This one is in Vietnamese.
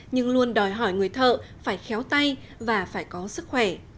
nhưng luôn đòi hỏi người thợ phải khéo tay và phải có sức khỏe